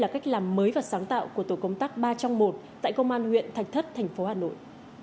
cách làm mới và sáng tạo của tổ công tác ba trong một tại công an huyện thạch thất thành phố hà nội